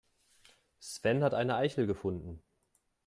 Sven hat eine Eichel gefunden.